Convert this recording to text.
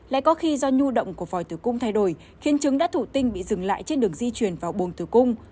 lại có khi do nhu động của voi từ cung thay đổi khiến trứng đã thụ tinh bị dừng lại trên đường di chuyển vào bùng từ cung